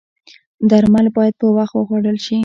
درمل باید په وخت وخوړل شي